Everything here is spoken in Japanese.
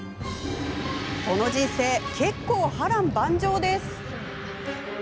その人生、結構、波乱万丈です。